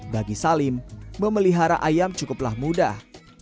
bagi salim memelihara ayam cukuplah mudah